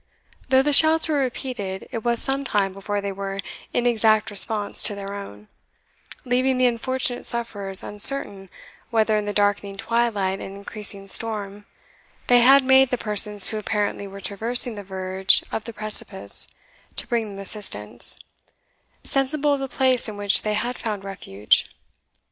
Though the shouts were repeated, it was some time before they were in exact response to their own, leaving the unfortunate sufferers uncertain whether, in the darkening twilight and increasing storm, they had made the persons who apparently were traversing the verge of the precipice to bring them assistance, sensible of the place in which they had found refuge.